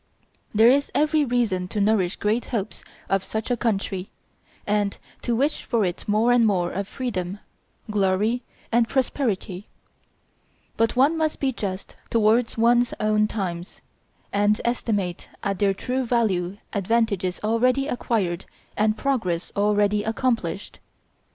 There is every reason to nourish great hopes of such a country, and to wish for it more and more of freedom, glory, and prosperity; but one must be just towards one's own times, and estimate at their true value advantages already acquired and progress already accomplished.